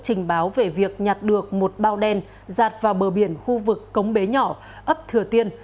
trình báo về việc nhặt được một bao đen giạt vào bờ biển khu vực cống bế nhỏ ấp thừa tiên